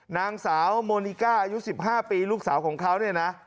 นางสาวโมนิก้าอายุ๑๕ปีลูกสาวของเขาเนี่ยนะ